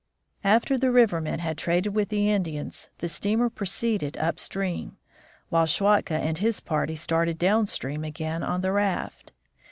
After the river men had traded with the Indians the steamer proceeded upstream, while Schwatka and his party started downstream again on the raft.